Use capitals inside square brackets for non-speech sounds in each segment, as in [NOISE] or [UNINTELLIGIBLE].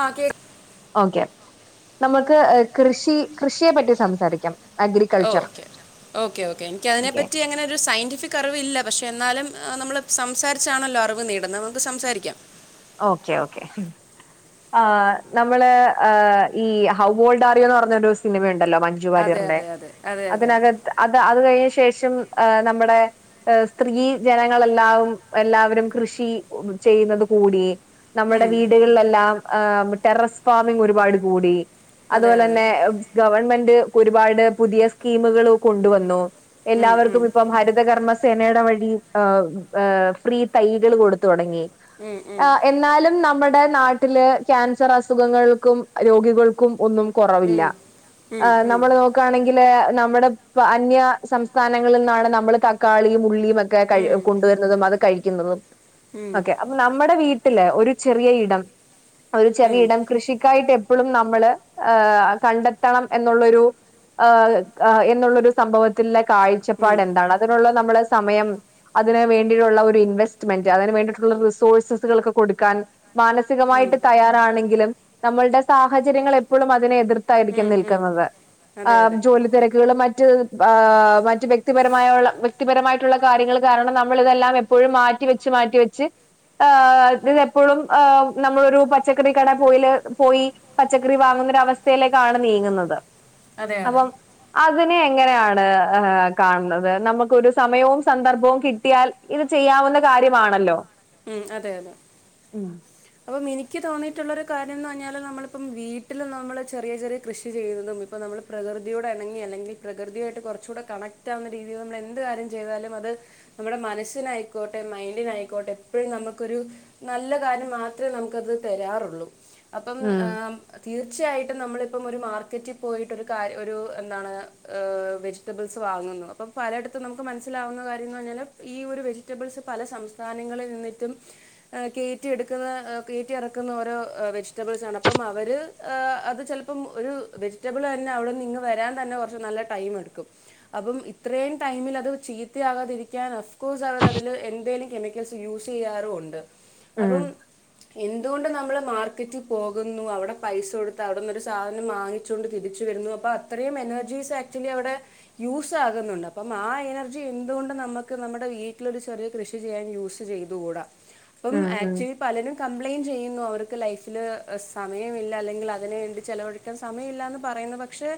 ആ കേ ഓക്കെ നമുക്ക് കൃഷി കൃഷിയെ പറ്റി സംസാരിക്കാം ഓക്കെ ഓക്കെ ഓക്കെ എനിക് അതിനെ പറ്റി അങ്ങനെ ഒരു സയന്റഫിക് ക്കറിവില്ല പക്ഷേ എന്നാലും നമ്മള് സംസാരിച്ചാണല്ലോ അറിവ് നേടുന്നത് നമുക്ക് സംസാരിക്യാം ഓക്കെ ഓക്കേ ആ നമ്മള് ഈ ഹൗ വോൾഡറിയു ന്നർഞ്ഞരു സിനിമയുണ്ടല്ലോ മ ഞ്ചുവാരിയർന്റെ അതിനകത്ത് അത് അത് കഴിഞ്ഞ ശേഷം നമ്മടെ സ്ത്രീ ജനങ്ങളെല്ലാവും എല്ലാവരും കൃഷി ചെയ്യുന്നതും കൂടി നമ്മുടെ വീടുകളിലെല്ലാം ഏഹ് ടെറസ് ഫാമിംഗ ഒരുപാട് കൂടി അതുപോലെന്നെ ഉം ഗവൺമെന്റ് ഒരുപാട് പുതിയ സ്കീമുകള് കൊണ്ടുവന്നു എല്ലാവർക്കും ഇപ്പം ഹരിതകർമ്മ സേനേടെ വഴി ഏ ഏഹ് ഫ്രീ തൈകൾ കൊട്ത്ത് തുടങ്ങി ന്നാലും നമ്മടെ നാട്ടില് ക്യാൻസർ അസുഖങ്ങൾക്കും രോഗികൾക്കും ഒന്നും കൊറവില്ല ആഹ് നമ്മള് നോ നെങ്കില് നമ്മുടെ അന്യ സംസ്ഥാനങ്ങളിൽ നിന്നാണ് നമ്മള് തക്കാളിയും ഉള്ളിയും ഒക്കെ കയ് കൊണ്ടുവരുന്നതും അത് കഴിക്കുന്നതും ഒക്കെ അപ്പൊ നമ്മുടെ വീട്ടില് ഒരു ചെറിയ ഇടം ഒരു ചെറിയ ഇടം കൃഷിക്കായിട്ട് എപ്പോഴും നമ്മള് ഏഹ് കണ്ടെത്തണം എന്നുള്ളൊരു ആ എന്നുള്ളൊരു സംഭവത്തിലുള്ള കാഴ്ചപ്പാട് എന്താണ് അതിനുള്ള നമ്മള് സമയം അതിന് വേണ്ടിട്ടുള്ള ഒരു ഇൻവെസ്റ്റ്മെന്റ് അതിന് വേണ്ടിയിട്ടുള്ള റിസോഴസ് സുകൾ കൊടുക്കാൻ മാനസികമായിട്ട് തയ്യാ ആണെങ്കിലും നമ്മളുടെ സാഹചര്യങ്ങൾ എപ്പോഴും അതിനെ എതിർത്തായിരിക്കും നിൽക്കുന്നത് ആ ജോലി തിരക്കുകളും മറ്റ് ആ മറ്റ് വ്യക്തിപരമായുള്ള വ്യക്തിപരമായിട്ടുള്ള കാര്യങ്ങൾ കാരണം നമ്മളിതെല്ലാം എപ്പോഴും മാറ്റി വെച്ച് മാറ്റി വെച്ച് ആഹ് ഇതെപ്പോഴും നമ്മളരു പച്ചക്കറി കട പോയില് പോയി പച്ചക്കറി വാങ്ങുന്നൊരവസ്ഥയിലേക്കാണ് നീങ്ങുന്നത് അപ്പം അതിനെ എങ്ങനെയാണ് കാണുന്നത് നമുക്കൊരു സമയവും സന്ദർഭവും കിട്ടിയാൽ ഇത് ചെയ്യാവുന്ന കാര്യമാണല്ലോ ഉം അതെ അതെ ഉം അപ്പം എനിക്ക് തോന്നിയിട്ടുള്ളൊരു കാര്യം എന്ന് പറഞ്ഞാല് നമ്മളിപ്പം വീട്ടിൽ നമ്മള് ചെറിയ ചെറിയ കൃഷി ചെയ്യുന്നതും ഇപ്പോൾ നമ്മൾ പ്രകൃതിയോടെ ഇണങ്ങി അല്ലെങ്കിൽ പ്രകൃതിയായിട്ട് കുറച്ചും കൂടെ കണക്റ്റ് ആകുന്ന രീതിയിൽ നമ്മൾ എന്ത് കാര്യം ചെയ്താലും അത് നമ്മുടെ മനസ്സിനായിക്കോട്ടെ മൈൻഡിനായിക്കോട്ടെ എപ്പോഴും നമുക്കൊരു നല്ല കാര്യം മാത്രമേ നമുക്കത് തരാറുള്ളൂ അപ്പം ഏഹ് തീർച്ചയായിട്ടും നമ്മളിപ്പം ഒരു മാർക്കറ്റിൽ പോയിട്ടരു കാര്യം ഒരു എന്താണ് വെജ റ്റബിൾസ് വാങ്ങുന്നു അപ്പൾ പലയിടത്ത് നമുക്ക് മനസിലാവുന്ന കാര്യം എന്ന് പറഞ്ഞാൽ ഈ ഒരു വെജിറ്റബിൾസ് പല സംസ്ഥാനങ്ങളിൽ എന്നിട്ടും കയറ്റി എടുക്കുന്ന കയറ്റി ഇറക്കുന്ന ഓരോ വെജിറ്റബിൾസാണ് അപ്പം അവര് ഏഹ് അത് ചിലപ്പം ഒരു വെജിറ്റബിൾ തന്നെ അവിടെ ഇങ് വരാൻ തന്നെ കുറച്ച് നല്ല ടൈം എടുക്കും അപ്പം ഇത്രയും ടൈമിൽ അത് ചീത്തയാകാതിരിക്കാൻ അഫ്കോഴ്സ് അവരതില് എന്തെേലും കെമിക്കൽസ് യൂസെയ്യാറുണ്ട് അപ്പം എന്തുകൊണ്ട് നമ്മള് മാർക്കറ്റിൽ പോകുന്നു അവിടെ പൈസ കൊടുത്ത് അവിടെന്നൊരു സാധനം വാങ്ങി ണ്ട് തിരിച്ചു വരുന്നു അപ്പോ അത്രയും എനർജീസ് ആക്ച്വലി അവിടെ യൂസ് ആകുന്നുണ്ട് അപ്പം ആ എനർജി എന്തുകൊണ്ട് നമുക്ക് നമ്മുടെ വീട്ടിലൊരു ചെറിയ കൃഷി ചെയ്യാൻ യൂസ് ചെയ്ത്കൂടാ അപ്പം ആക്ച് പലരും കംപ്ലൈയിന്റ് ചെയ്യുന്നു അവർക്ക് ലൈഫില് സമയമില്ല അല്ലെങ്കിൽ അതിന് വേണ്ടി ചിലവ സമയമില്ലന്ന് പറയുന്നു പക്ഷെ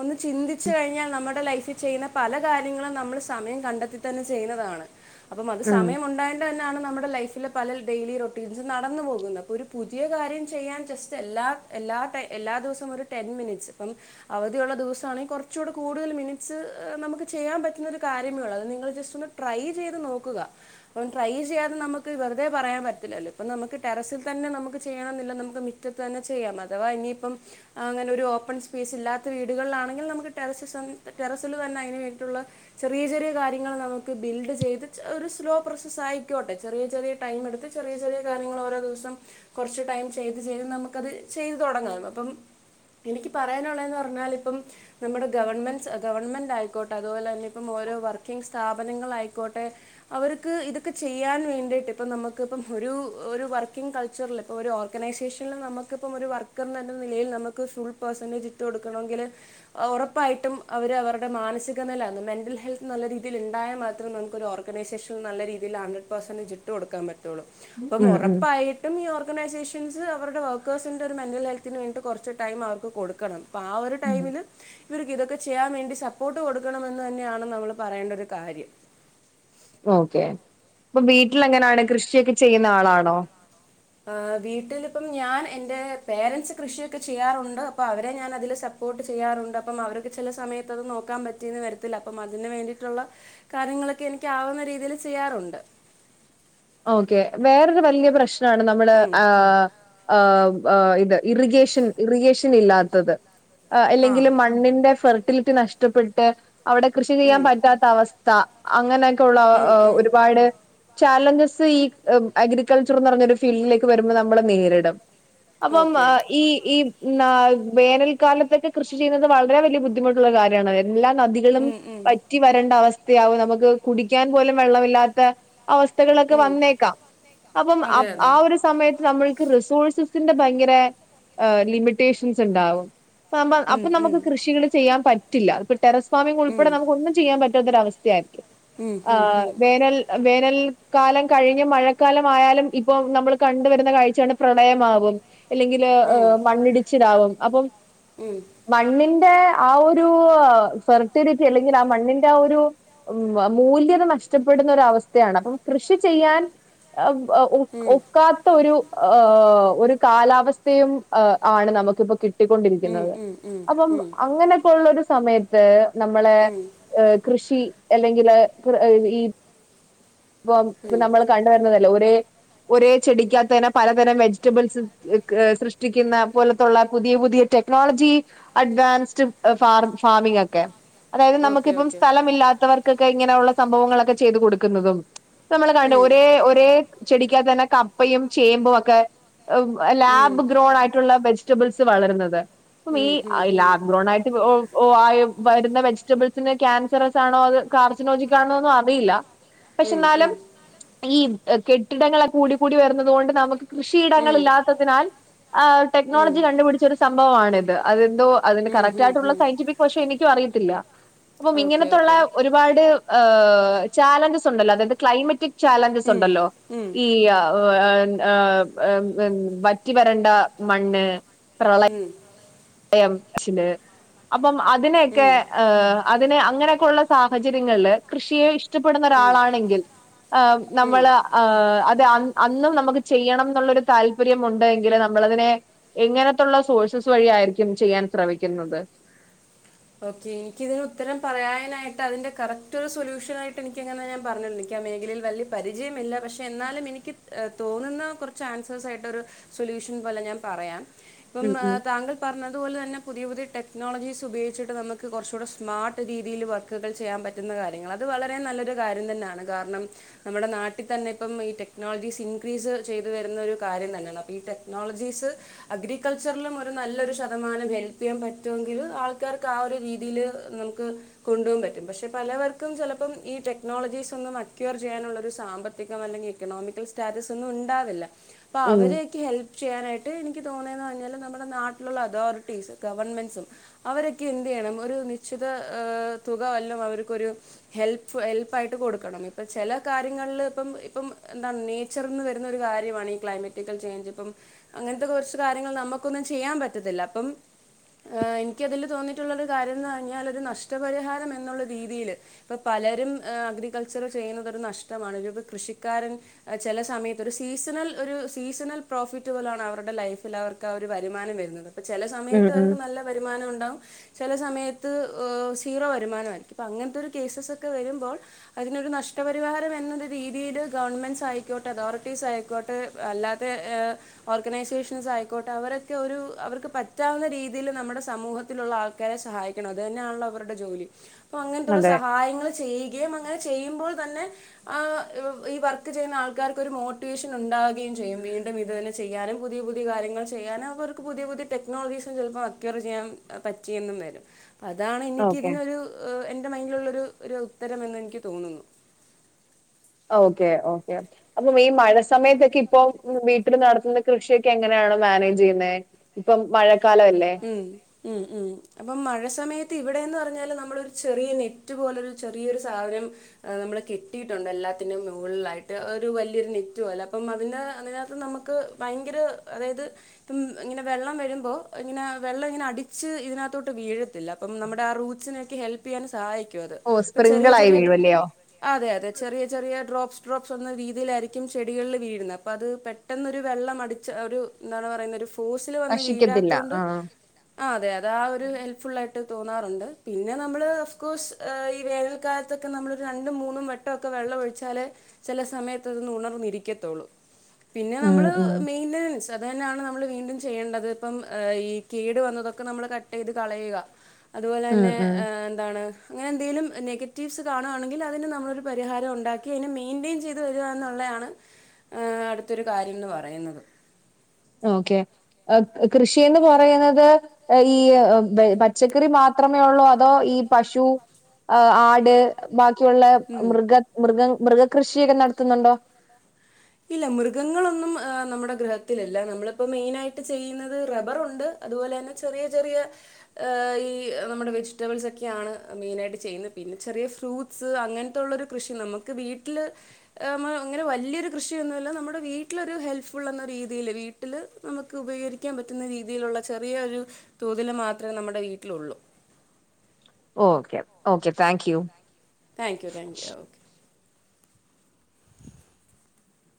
ഒന്ന് ചിന്തിച്ചു കഴിഞ്ഞാ നമ്മുടെ ലൈഫി ചെയ്യുന്ന പല കാര്യങ്ങളും നമ്മൾ സമയം കണ്ടെത്തി തന്നെ ചെയ്യുന്നതാണ് അപ്പം അത് സമയം ഉണ്ടായ തന്നാണ് നമ്മുടെ ലൈഫെ പല ഡെയിലി റൊട്ടീൻസും നടന്നു പോകുന്നത് അപ്പോൾ ഒരു പുതിയ കാര്യം ചെയ്യാൻ ജസ്റ്റ് എല്ലാ എല്ലാ ട്ടെ എല്ലാ ദിവസവും ഒരു ടെൻ മിനിറ്റ്സ് അപ്പം അവധിയുള്ള ദിവസമാണെങ്കിൽ കുറച്ച കൂടെ കൂടുതൽ മിനിറ്റ്സ് നമുക്ക് ചെയ്യാൻ പറ്റുന്ന ഒരു കാര്യമേള്ളൂ അത്ങ്ങള് ജസ്റ്റ് ഒന്ന് ട്രൈ ചെയ്ത് നോക്കുക ട്രൈ ചെയ്യതെ നമുക്ക് വെറുതെ പറയാൻ പറ്റത്തില്ലല്ലോ അപ്പൊ നമുക്ക് ടെറസിൽ തന്നെ നമുക്ക് ചെയ്യണമെന്നില്ല നമുക്ക്‌ മി റ്റത് തന്നെ ചെയ്യാം അഥവാ ഇനിയിപ്പം അങ്ങനെ ഒരു ഓപ്പൺ സ്പേസ് ഇല്ലാത്ത വീടുകളിലാണെങ്കിൽ നമുക്ക് ടെറ ടെറസില് തന്നെ അതിന് വേണ്ടിട്ടുള്ള ചെറിയ ചെറിയ കാര്യങ്ങൾ നമുക്ക് ബിൽഡ് ചെയ്ത് ഒരു സ്ലോ പ്ര സായികൊട്ടെ ചെറിയ ചെറിയ ടൈം എടുത്ത് ചെറിയ ചെറിയ കാര്യങ്ങൾ ഓരോ ദിവസം കുറച്ചു ടൈം ചെയ്ത് ചെയ്ത് നമുക്കത് ചെയ്ത് തുടങ്ങാല്ലോ അപ്പം എനിക്ക് പറയാനുള്ളതെന്ന് പറഞ്ഞാൽ ഇപ്പം നമ്മുടെ ഗവൺമെന്റ്സ് ഗവൺമെന്റ് ആയിക്കോട്ടെ അതുപോലെ തന്നെ ഇപ്പം ഓരോ വർക്കിംഗ് സ്ഥാപനങ്ങളായിക്കോട്ടെ അവര് ക്ക് ഇതൊക്കെ ചെയ്യാൻ വേണ്ടിയിട്ട് ഇപ്പം നമുക്കിപ്പം ഒരു ഒരു വർക്കിംഗ് കൾച്ചറിൽ ഇപ്പൾ ഒരു ഓർഗനൈസേഷനിൽ നമുക്ക് നമക്കിപ്പൊ ഒരു വർക്കർ എന്ന നിലയിൽ നമുക്ക് ഫുൾ പെർസെന്റേജ് ഇട്ട് കൊടുക്കണമെങ്കില് ഉറപ്പായിട്ടും അവര് അവരുടെ മാനസിക നിലന്ന് മെന്റൽ ഹെൽത്ത് നല്ല രീതിയിൽ ഉണ്ടായാൽ മാത്രം നമ ക്ക് ഓർഗനൈസേഷൻ നല്ല രീതിയിൽ ഹൻഡ്രഡ് പേർസന്റെജ് ഇട്ട് കൊടുക്കാൻ പറ്റുള്ളൂ അപ്പം ഒറപ്പായി ഈ ഓർഗൈസേഷൻസ് അവരുടെ വർക്കേഴ്സിന്റെ ഒരു മെൻറൽ ഹെൽത്തിന് വേണ്ടീട്ട് കുറച്ച് ടൈം അവർക്ക് കൊടുക്കണം അപ്പ ആ ഒരു ടൈമില് ഇവർക്ക് ഇതൊക്കെ ചെയ്യാൻ വേണ്ടി സപ്പോർട്ട് കൊടുക്കണെന്ന് തന്നെയാണ് നമ്മൾ പറയേണ്ട ഒരു കാര്യം ഓക്കെ ഇപ്പൊ വീട്ടിൽ എങ്ങനാണ് കൃഷിയൊക്കെ ചെയ്യുന്ന ആളാണോ ഏഹ് വീട്ടിലിപ്പം ഞാൻ എന്റെ പേരൻറ്സ് കൃഷിയൊക്കെ ചെയ്യാറുണ്ട് അപ്പൊ അവരെ ഞാൻ അതില് സ പ്പോർട്ട് ചെയ്യാറുണ്ട് അപ്പം അവർക്ക് ചില സമയത്ത് അത് നോക്കാൻ പറ്റിയന്ന് വരത്തില്ല അപ്പം അതിന് വേണ്ടിയിട്ടുള്ള കാര്യങ്ങളൊക്കെ എനിക്കാവുന്ന രീതിയിൽ ചെയ്യാറുണ്ട് ഓക്കെ വേറൊരു വലിയ പ്രശ്നമാണ് നമ്മള് ആ ആ ആ ഇത് ഇറിഗേഷൻ ഇറിഗേഷൻ ഇല്ലാത്തത് അല്ലെങ്കില് മ ണ്ണിന്റെ ഫെർട്ടിലിറ്റി നഷ്ടപ്പെട്ട് അവിടെ കൃഷി ചെയ്യാൻ പറ്റാത്ത അവസ്ഥ അങ്ങനെയൊക്കെ ഉള്ള ഒരുപാട് ചാലഞ്ചസ് പ്പ ഈ അഗ്രികൾച്ചർന്ന് പറഞ്ഞ ഒരു ഫീൽഡിലേക്ക് വരുമ്പോൾ നമ്മള് നേരിടും അപ്പം ഏഹ് ഈ ഈ ന വേനൽക്കാലത്തൊക്കെ കൃഷി ചെയ്യുന്നത് വളരെ വലിയ ബുദ്ധിമുട്ടുള്ള കാര്യമാണ് എല്ലാം നദി കളും വറ്റി വരേണ്ട അവസ്ഥയാകും നമുക്ക് കുടിക്കാൻ പോലും വെള്ളില്ലാത്ത അവസ്ഥകൾ ക്കെ വന്നേക്കാം അപ്പ ആ ഒരു സ് സമയത്ത് നമ്മൾക്ക് റിസോഴ്സസിന്റെ ഭയങ്കര ലിമിറ്റേഷൻസ് ഉണ്ടാവും അപ്പം ബ അപ്പം നമുക്ക് കൃഷികൾ ചെയ്യാൻ പറ്റില്ല ഇപ്പ ടെറസ് ഫാമിംഗ് ഉൾപ്പടെ നമുക്ക്‌ ഒന്നും ചെയ്യാൻ പ രവസ്ഥയായിരിക്കും ആ വേനൽ വേനൽ കാലം കഴിഞ്ഞ് മഴക്കാലം ആയാലും ഇപ്പൊ നമ്മൾ കണ്ടുവരുന്ന കാഴ്ചയാണ് പ്രളയമാവും അല്ലെങ്കില് മണ്ണിടിച്ചിലാവും അപ്പം ഉം മണ്ണിന്റെ ആ ഒരു ഫെർട്ടിലിറ്റി അല്ലെങ്കിൽ ആ മണ്ണിന്റെ ആ ഒരു ഉ മൂല്യത നഷ്ടപ്പെടുന്ന ഒര് അവസ്ഥയാണ് അപ്പം കൃഷി ചെയ്യാൻ ഒ ഒക്കാത്ത ഒരു ഓഹ് ഒരു കാലാവസ്ഥയും ആണ് നമുക്കിപ്പോ കി ട്ടിക്കൊണ്ടിരിക്കുന്നത് അപ്പം അങ്ങനെയൊക്കെ ഉള്ള ഒരു സമയത്ത് നമ്മളെ ഏ കൃഷി അല്ലെങ്കില് ഈ ഇപ്പം ഇപ്പ നമ്മൾ കണ്ടുവരുന്നതല്ലേ ഒരേ ഒരേ ചെടിക്കാത്ത് തന്നെ പലതരം വെജിറ്റബിൾസ് സൃഷ്ടിക്കുന്ന പോലത്തുള്ള പുതിയ പുതിയ ടെ ടെക്നോളജി അഡ്വാൻസ്ഡ് ഫാർ ഫാമിംഗ് ഒക്കെ അതായത് നമുക്കിപ്പം സ്ഥലമില്ലാത്തവർക്കൊക്കെ ഇങ്ങനെയുള്ള സംഭവങ്ങളൊക്കെ ചെയ്തു കൊടുക്കുന്നതും നമ്മൾ കാണ്ട് ഒരേ ഒരേ ചെടിക്കകത്ത് തന്നെ കപ്പയും ചേമ്പും ഒക്കെ ലാബ് ഗ്രോൺ ആയിട്ടുള്ള വെജിറ്റബിൾസ് വളരുന്നത് അപ്പം ഈ ലാബ് ഗ്രോൺ ആയിട്ട് ഓ ഓ ആയ് വരുന്ന വെജിറ്റബിൾസിന് ക്യാൻസറസ് ആണോ അത് കാർജിനോജിക്കാണോന്നും അറിയില്ല. പക്ഷെ എന്നാലും ഈ കെട്ടിടങ്ങളൊക്കെ കൂടി കൂടി വരുന്നത് കൊണ്ട് നമുക്ക് കൃഷിയിടങ്ങളില്ലാ ത്തതിനാൽ ആ ടെക്നോളജി കണ്ടുപിടിച്ചൊരു സംഭവമാണിത്. അതെന്തോ അതിന്റെ കറക്റ്റ് ആയിട്ടുള്ള സയന്റിഫിക് വശം എനിക്കും അറിയത്തില്ല. അപ്പം ഇങ്ങനത്തുള്ള ഒരു പാട് ഏഹ് ചാലഞ്ചസ് ഉണ്ടല്ലോ. അതായത് ക്ലൈമറ്റിക് ചാലഞ്ചസ് ഉണ്ടല്ലോ. ഈ യ ഏഹ് ഏഹ് [UNINTELLIGIBLE] വറ്റി വരണ്ട മണ്ണ്, പ്രള ഉം യം, ച്ചില് അപ്പം അതിനെയൊക്കെ ഏഹ് അതിന് അങ്ങനെയൊക്കെ ഉള്ള സാഹചര്യങ്ങളില് കൃഷിയെ ഇഷ്ടപ്പെടുന്ന ഒരാളാണെങ്കിൽ ഏഹ് നമ്മള് ഏഹ് അത് അ അന്നും നമുക്ക് ചെയ്യണം എന്നുള്ളൊരു താല്പര്യമുണ്ട് എങ്കില് നമ്മളതിനെ എങ്ങനത്തുള്ള സോഴ്സസ് വഴിയാ യിരിക്കും ചെയ്യാൻ ശ്രമിക്കുന്നത്. ഓക്കെ എനിക്കിതിന് ഉത്തരം പറയാനായിട്ട് അതിന്റെ കറക്റ്റ് ഒരു സൊല്യൂഷനായിട്ട് എനിക്കങ്ങനെ ഞാൻ പറഞ്ഞല്ലൊൻ ക്ക്യാ മേഖലയിൽ വലിയ പരിചയമില്ല പക്ഷേ എന്നാലും എനിക്ക് തോന്നുന്ന കുറച്ച് ആൻസേഴ്സായിട്ടൊരു സൊല്യൂഷൻ പോലെ ഞാൻ പറയാം. ഇപ്പം, ഏഹ് താങ്കൾ പറഞ്ഞതു പോലെ തന്നെ പുതിയ പുതിയ ടെക്നോളജീസ് ഉപയോഗി ച്ചിട്ട് നമുക്ക് കൊർച്ചൂടെ സ്മാർട്ട് രീതിയിൽ വർക്കുകൾ ചെയ്യാൻ പറ്റുന്ന കാര്യങ്ങളാ, അത് വളരെ നല്ലൊരു കാര്യം തന്നാണ്. കാരണം, നമ്മുടെ നാട്ടിൽ തന്നെ ഇപ്പം ഈ ടെക്നോളജീസ് ഇൻക്രീസ് ചെയ്തു വരുന്ന ഒരു കാര്യം തന്നൊണ്. അപ്പ ഈ ടെക്നോളജീസ് അഗ്രികൾച്ചറിലും ഒരു നല്ലൊരു ശതമാനം ഹെൽപ്പ് ചെയ്യാൻ പറ്റുമെങ്കില്, ആൾ ക്കാർക്ക് ആ ഒരു രീതിയില് നമുക്ക് കൊണ്ടുപോവാൻ പറ്റും. പക്ഷെ പലവർക്കും ചെലപ്പം ഈ ടെക്നോളജീസ് ഒന്നും അക്യൂർ ചെയ്യാനുള്ളൊരു സാമ്പത്തികം അല്ലെങ്കി ഇക്കണോമിക്കൽ സ്റ്റാറ്റസ് ഒന്നും ഉണ്ടാവില്ല. അപ്പൊ അവരെയൊക്കെ ഹെൽ പ് ചെയ്യാനായിട്ട് എനിക്ക് തോണിയേന്ന് പറഞ്ഞാല്, നമ്മുടെ നാട്ടിലുള്ള അതോറിറ്റീസ് ഗവൺമെന്റ്സും അവരൊക്കെ എന്ത് ചെയ്യണം? ഒരു നിശ്ചിത ഏഹ് തുക വല്ലാം അവർക്കൊരു ഹെൽപ്പ്ഫ് ഹെൽപ്പ് ആയിട്ട് കൊടുക്കണം. ഇപ്പ ചെല കാര്യങ്ങളിൽ ഇപ്പം ഇപ്പം എന്താണ് നീ ച്ചർന്ന് വരുന്ന ഒരു കാര്യമാണ് ഈ ക്ലൈമാറ്റിക്കൽ ചേഞ്ച്. ഇപ്പം, അങ്ങനത്തെ കൊറച്ച് കാര്യങ്ങൾ നമുക്കൊന്നും ചെയ്യാൻ പറ്റത്തില്ല. അപ്പം ഏഹ് ഇൻ ക്ക്യതില് തോന്നിയിട്ടുള്ളൊരു കാര്യം എന്ന് പറഞ്ഞാൽ, ഒരു നഷ്ടപരിഹാരം എന്നുള്ള രീതിയില് ഇപ്പൊ പലരും ഏഹ് അഗ്രികൾച്ചർ ചെയ്യുന്നത് ഒരു നഷ്ടമാണ്. ഒരു കൃഷിക്കാരൻ എഹ് ചെല സമയത്ത് ഒരു സീസണൽ ഒരു സീസണൽ പ്രോഫിറ്റ് പോലാണ് അവരുടെ ലൈഫിൽ അവർക്ക് ആ ഒരു വരുമാനം വരുന്നത്. ചെല സമയത്ത് അവർക്ക് നല്ല വരുമാനം ഉണ്ടാവും. ചെല സമയത്ത് സീറോ വരുമാനമായിരിക്കും. അപ്പൊ അങ്ങനത്തെ ഒരു കേസസ് ഒക്കെ വരുമ്പോൾ അതിനൊരു നഷ്ടപരിഹാരം എന്നൊരു രീതിയിയില് ഗവൺമെന്റ്സ് ആയിക്കോട്ടെ, അതോറിറ്റീസ് ആയിക്കോട്ടെ അല്ലാത്തെ, ഏഹ് ഓർഗനൈസേഷൻസ് ആയിക്കോട്ടെ, അവരൊക്കെ ഒരു അവർക്ക് പറ്റാവുന്ന രീതിയിൽ നമ്മുടെ സമൂഹത്തിലുള്ള ആൾക്കാരെ സഹായിക്കണം, അത് തന്നെയാണല്ലോ അവരുടെ ജോലി. അപ്പൊ അങ്ങൻത്തുള്ള സഹായങ്ങൾ ചെയ്യി കയും അങ്ങനെ ചെയ്യുമ്പോൾ തന്നെ ആഹ് ഈ വർക്ക് ചെയ്യുന്ന ആൾക്കാർക്ക് ഒരു മോട്ടിവേഷൻ ഉണ്ടാവുകയും ചെയ്യും. വീണ്ടും ഇത് തന്നെ ചെയ്യാനും, പുതിയ പുതിയ കാര്യങ്ങൾ ചെയ്യാനും, അവർക്ക് പുതിയ പുതിയ ടെക്നോളജീസും ചിലപ്പോ ക്യുയർ ചെയ്യാൻ പറ്റി എന്നും വരും. അപ്പൊ അതാണ് എനിക്ക് ഇതിനൊരു ഏഹ് എൻ്റെ മൈൻഡിലുള്ളൊരു ഒരു ഉത്തരമെന്ന് എനിക്ക് തോന്നുന്നു. Okay, okay okay. അപ്പം ഈ മഴ സമയത്തൊക്കെ ഇപ്പൊ വീട്ടിൽ നടത്തുന്ന കൃഷിയൊക്കെ എങ്ങനെയാണ് മാനേജ് ചെയ്യുന്നത്? ഇപ്പം മഴക്കാല അല്ലേ? ഉം ഉം ഉം, അപ്പം മഴ സമയത്ത് ഇവിടെന്ന് പറഞ്ഞാൽ നമ്മളൊരു ചെറിയ നെറ്റ് പോലെരു ചെറിയൊരു സാധനം... നമ്മള് കെട്ടിയിട്ടുണ്ട് എല്ലാത്തിനും മുകളിലായിട്ട്, ഒരു വല്യൊരു നെറ്റ് പോലെ, അപ്പം അതിനെ അതിനകത്ത് നമുക്ക് ക്ക്‌ ഭയങ്കര അതായത് ഇങ്ങനെ വെള്ളം വരുമ്പോ... ഇങ്ങനെ വെള്ളം ഇങ്ങനെ അടിച്ച് ഇതിനകത്തോട്ട് വീഴത്തില്ല. അപ്പം നമ്മുടെ ആ റൂട്ട്സിനൊക്കെ ഹെൽപ് ചെയ്യാൻ സഹായിക് യത്, പ്പ ചെറിയ ചെറിയ... അതെ അതെ, ചെറിയ ചെറിയ ഡ്രോപ്സ് ഡ്രോപ്സ് എന്ന രീതിയിലായിരിക്കും ചെടികളിൽ വീഴുന്നത്, അപ്പ അത് പെട്ട് പെട്ടെന്നൊരു വെള്ളം അടിച്ച ഒരു എന്താണ് പറയുന്നത് ഒരു ഫോസില് വന്ന് വീഴാത്തോണ്ട്... ആ അതെ അതെ, ആ ഒരു ഹെൽപ് ഫുള്ളായിട്ട് തോന്നാറുണ്ട്. പിന്നെ നമ്മള് ഓഫ്കോഴ്സ്... ഏഹ് ഈ വേനൽക്കാലത്തൊക്കെ നമ്മളൊരു രണ്ടും മൂന്നും വെട്ടൊക്കെ വെള്ളം ഒഴിച്ചാലെ... ചെല സമയത്ത് അതൊന്ന് ഉണർന്നിരിക്കത്തുളൂ. പിന്നെ നമ്മള് മെയിന്റനൻസ് അത് തന്നെയാണ് നമ്മള് വീണ്ടും ചെയ്യേണ്ടത്. ഇപ്പം... ഏഹ് ഈ കേട് വന്നതൊക്കെ നമ്മൾ കട്ടെയ്ത് കളയുക. അതുപോലെ തന്നെ എന്താണ്? അങ്ങനെ എന്തെലും നെഗറ്റീവ്സ് കാണുവാണെങ്കിൽ അതിന് നമ്മളൊരു പരിഹാരം ഉണ്ടാക്കി, അതിനെ മെയിന്റൈൻ ചെയ് ത് വരാന്നുള്ളതാണ് അടുത്തൊരു കാര്യം എന്ന് പറയുന്നത്. ഓക്കെ, അഹ് കൃഷിന്ന് പറയുന്നത്... അഹ് ഈ പച്ചക്കറി മാത്രമേ ഉള്ളൂ അതോ ഈ പശു.. അഹ് ആട് ബാക്കിയുള്ള മൃഗ മൃഗ മൃഗ കൃഷിയൊക്കെ നടത്തുന്നുണ്ടോ? ഇല്ല. മൃഗങ്ങളൊന്നും നമ്മുടെ ഗൃഹത്തിലല്ല, നമ്മളിപ്പോ മെയിനാ യിട്ട് ചെയ്യുന്നത് റബ്ബറുണ്ട്... അതുപോലെ ന്നെ ചെറിയ ചെറിയ ഏഹ് ഈ നമ്മുടെ വെജിറ്റബിൾസൊക്കെയാണ് മെയിനാ യിട്ട് ചെയ്യുന്നെ പിന്നെ ചെറിയ ഫ്രൂട്ട് സ് അങ്ങൻത്തുള്ള ഒര് കൃഷി നമുക്ക് വീട്ടില് അമ്മെ ങ്ങനെ വല്യൊരു കൃഷിയൊന്നുല്ല നമ്മുടെ വീട്ടിലൊരു ഹെൽപ് ഫുൾ എന്ന രീതിയില് വീട്ടില് നമുക്ക് ഉപകരി ക്കാൻ പറ്റുന്ന രീതിയിലുള്ള ചെറിയൊ രു തോതില് മാത്രേ നമ്മുടെ വീട്ടിലുള്ളൂ okay okay thank you thank you thank you ah okay